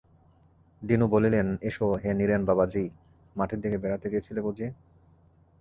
দীনু বলিলেন-এসো হে নীরেন বাবাজী, মাঠের দিকে বেড়াতে গিযেছিলে বুঝি?